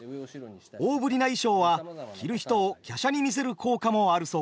大ぶりな衣装は着る人を華奢に見せる効果もあるそうです。